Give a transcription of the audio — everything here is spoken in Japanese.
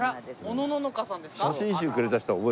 おのののかさんですか？